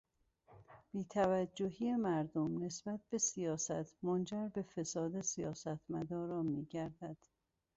بیتوجهی مردم نسبت به سیاست منجر به فساد سیاستمداران میگردد.